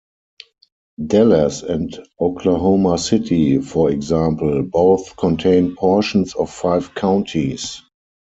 Dallas and Oklahoma City, for example, both contain portions of five counties.